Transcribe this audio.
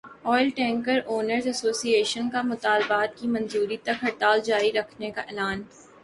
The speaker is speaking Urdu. oil tanker owners association کا مطالبات کی منظوری تک ہڑتال جاری رکھنے کا اعلان